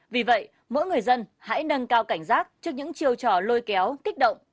vì vậy mỗi người dân hãy nâng cao cảnh giác trước những chiêu trò lôi kéo kích động